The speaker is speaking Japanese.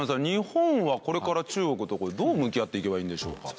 日本はこれから中国とどう向き合っていけばいいんでしょうか？